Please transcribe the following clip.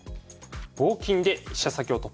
「棒金で飛車先を突破！」。